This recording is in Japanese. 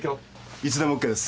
いつでもＯＫです。